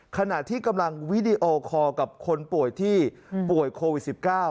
ขณะที่กำลังวิดีโอคอร์กับคนป่วยที่ป่วยโควิด๑๙